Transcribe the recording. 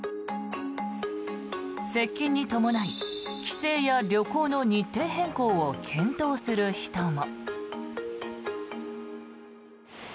接近に伴い、帰省や旅行の日程変更を検討する人も。